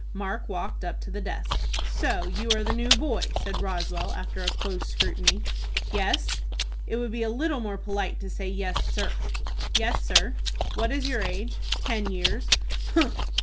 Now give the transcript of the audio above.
Mark walked up to the desk. "So you are the new boy?" said Roswell, after a close scrutiny. "Yes." "It would be a little more polite to say 'Yes sir.'" "Yes, sir." "What is your age?" "Ten years." "Humph!